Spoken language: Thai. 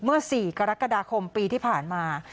เมื่อ๔กรกฎาคมปีที่ผ่านมา